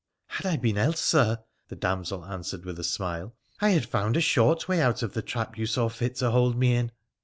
' Had I been else, Sir,' the damsel answered, with a smile, ' I had found a short way out of the trap you saw fit to hold mo in.'